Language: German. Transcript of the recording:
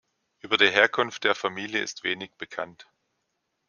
Über die Herkunft der Familie ist wenig bekannt.